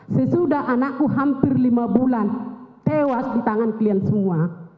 sesudah anakku hampir lima bulan tewas di tangan kalian semua